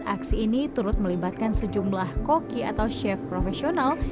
aksi ini turut melibatkan sejumlah koki atau chef profesional